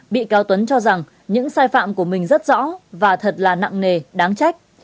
bị cáo tuấn cho rằng những sai phạm của mình rất rõ và thật là nặng nề đáng trách